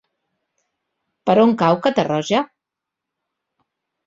Per on cau Catarroja?